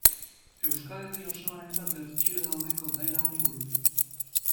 Euskal Herri osoan hainbat bertsio daude kondaira honi buruz.